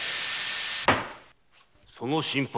・その心配